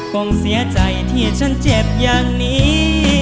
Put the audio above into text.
คงเสียใจที่ฉันเจ็บอย่างนี้